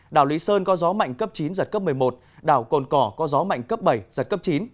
đảo lý sơn có gió mạnh cấp chín giật cấp một mươi một đảo cồn cỏ có gió mạnh cấp bảy giật cấp chín